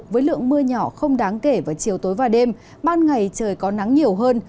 với lượng mưa nhỏ không đáng kể vào chiều tối và đêm ban ngày trời có nắng nhiều hơn